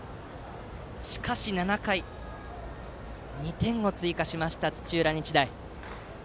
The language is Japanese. しかし７回２点を追加した土浦日大。